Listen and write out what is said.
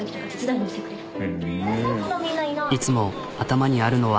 いつも頭にあるのは。